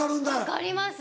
分かります！